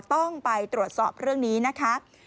ต้องไปตรวจสอบเรื่องนี้นะคะ